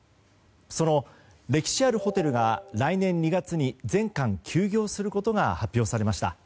その歴史あるホテルが来年２月に全館休業することが発表されました。